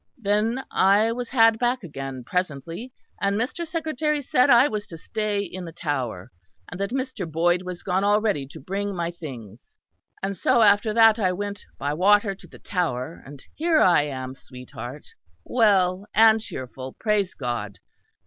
Then I was had back again presently; and Mr. Secretary said I was to stay in the Tower; and that Mr. Boyd was gone already to bring my things. And so after that I went by water to the Tower, and here I am, sweetheart, well and cheerful, praise God....